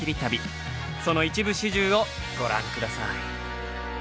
その一部始終をご覧ください。